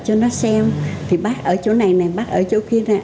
cái lật cho nó xem thì bác ở chỗ này này bác ở chỗ kia này